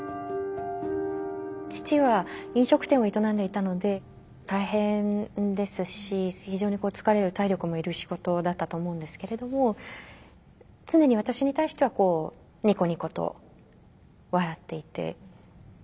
父は飲食店を営んでいたので大変ですし非常に疲れる体力もいる仕事だったと思うんですけれども常に私に対してはニコニコと笑っていて。